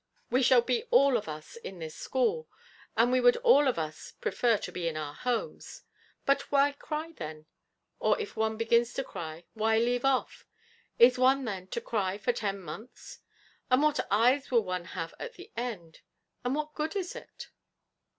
We shall be all of us in this school, and we would all of us prefer to be in our homes. But why cry, then? or if one begins to cry, why leave off? Is one, then, to cry for ten months? And what eyes will one have at the end? And what good is it?'